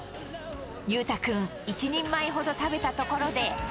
裕太君、１人前ほど食べたところで。